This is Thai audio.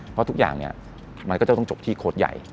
เพราะทุกอย่างเนี่ยมันก็จะต้องจบที่โค้ดใหญ่